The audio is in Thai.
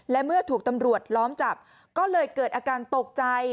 และเมื่อถูกตำรวจล้อมจับก็เลยเกิดอาการตกใจ